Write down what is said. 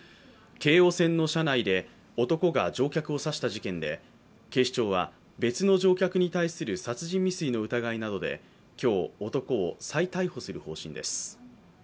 京王線の車内で男が乗客を刺した事件で警視庁は別の乗客に対する殺人未遂の疑いなどで今日、男を再逮捕する方針です。